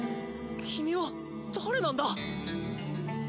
君は誰なんだ！？